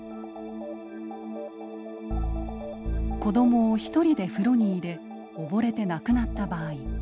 子どもをひとりで風呂に入れ溺れて亡くなった場合。